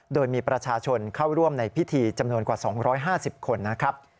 โดยมีประชาชนเข้าร่วมในพิธีจำนวนกว่า๒๕๐คนนะครับ